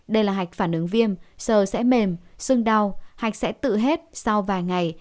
đây là hạch phản ứng viêm sờ sẽ mềm sưng đau hạch sẽ tự hết sau vài ngày